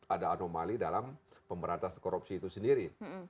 ada anomali dalam pemberantasan korupsi itu sendiri